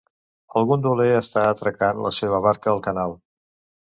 El gondoler està atracant la seva barca al canal